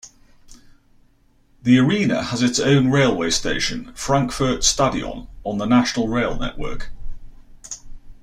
The arena has its own railway station, Frankfurt Stadion, on the national rail network.